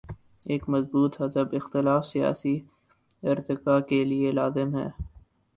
ایک مضبوط حزب اختلاف سیاسی ارتقا کے لیے لازم ہے۔